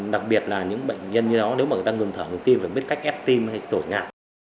đặc biệt là những bệnh nhân như đó nếu mà người ta ngừng thở người tim phải biết cách ép tim hay tội ngạc